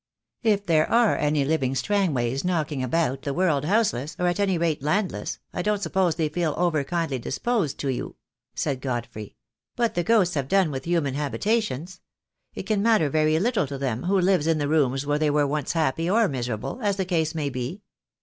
"If there are any living Strangways knocking about the world houseless, or at any rate landless, I don't sup pose they feel over kindly disposed to you," said God frey; "but the ghosts have done with human habitations. It can matter very little to them who lives in the rooms where they were once happy or miserable, as the case may be.